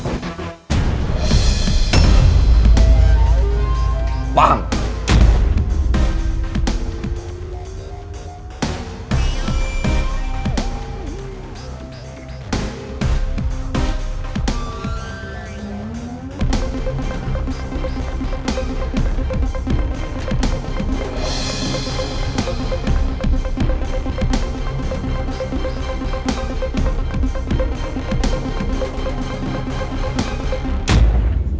tunggu tunggu tunggu